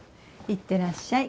行ってらっしゃい。